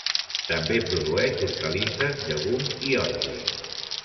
També produeix hortalisses, llegums i ordi.